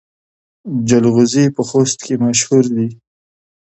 جلغوزي په خوست کې مشهور دي